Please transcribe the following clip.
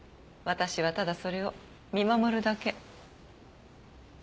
私はただそれを見守るだけ。